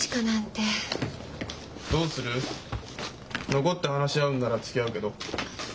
残って話し合うんならつきあうけど？